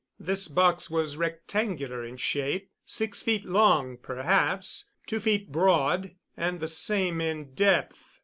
This box was rectangular in shape; six feet long, perhaps, two feet broad, and the same in depth.